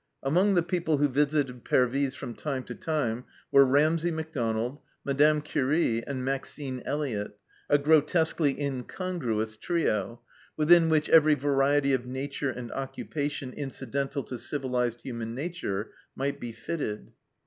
Among the people who visited Pervyse from time to time were Ramsay Mac donald, Madame Curie, and Maxine Elliott, a grotesquely incongruous trio, within which every variety of nature and occupation incidental to civilized human nature might be fitted